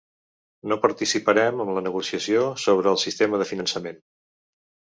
No participarem en la negociació sobre el sistema de finançament.